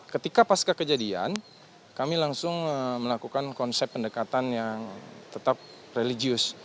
ketika pasca kejadian kami langsung melakukan konsep pendekatan yang tetap religius